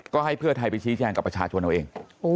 ก็ให้เพื่อไทยไปชี้แจงกับประชาชนเอาเอง